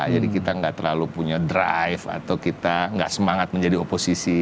jadi kita gak terlalu punya drive atau kita gak semangat menjadi oposisi